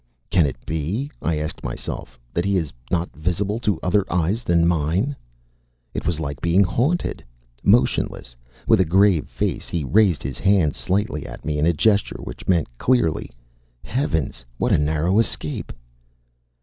Can it be, I asked myself, that he is not visible to other eyes than mine? It was like being haunted. Motionless, with a grave face, he raised his hands slightly at me in a gesture which meant clearly, "Heavens! what a narrow escape!"